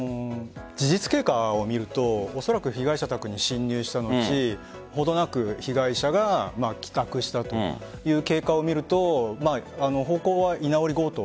事実経過を見るとおそらく被害者宅に侵入した後程なく被害者が帰宅したという経過を見ると居直り強盗。